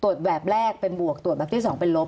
แบบแรกเป็นบวกตรวจแบบที่๒เป็นลบ